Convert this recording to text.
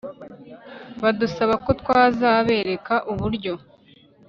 badusaba ko twazabereka uburyo